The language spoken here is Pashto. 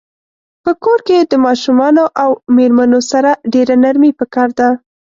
په کور کښی د ماشومانو او میرمنو سره ډیره نرمی پکار ده